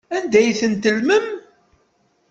Anda ay ten-tellmem?